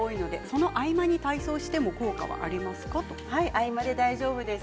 合間で大丈夫です。